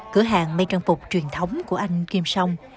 cửa hàng mây trang phục truyền thống của anh kim song